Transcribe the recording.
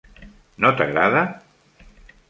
No t'agrada?